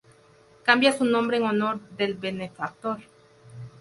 Cambia su nombre en honor del benefactor.